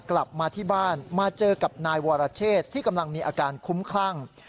กลับมาที่บ้านมาเจอกับนายวรเชษที่กำลังมีอาการคุ้มคลั่ง